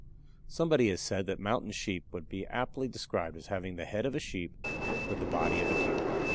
Somebody has said that Mountain Sheep would be aptly described as having the head of a sheep with the body of a deer.